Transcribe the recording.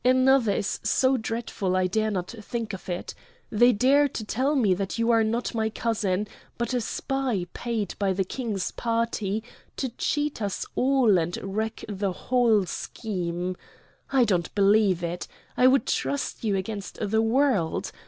Another is so dreadful I dare not think of it. They dare to tell me you are not my cousin, but a spy paid by the King's party to cheat us all and wreck the whole scheme. I don't believe it. I would trust you against the world.